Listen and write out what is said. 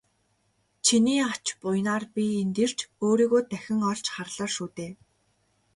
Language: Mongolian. Чиний ач буянаар би энд ирж өөрийгөө дахин олж харлаа шүү дээ.